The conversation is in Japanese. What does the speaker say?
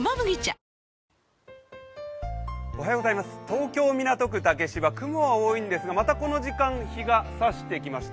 東京・港区竹芝、雲は多いんですが、またこの時間日が差してきました。